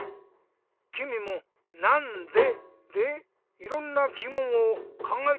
きみも「なんで？」でいろんなぎもんをかんがえてみてくれ。